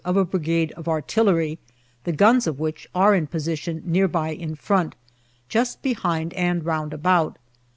of a Brigade of artillery, the guns of which are in position near by in front, just behind and round about.